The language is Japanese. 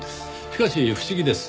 しかし不思議です。